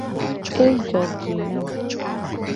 Ejo ji nam.